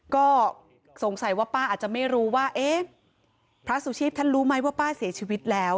ก็สงสัยว่าป้าอาจจะไม่รู้ว่าเอ๊ะพระสุชีพท่านรู้ไหมว่าป้าเสียชีวิตแล้ว